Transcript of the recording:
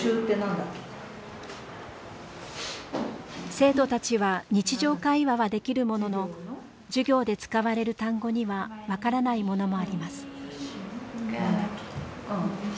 生徒たちは日常会話はできるものの授業で使われる単語には分からないものもあります。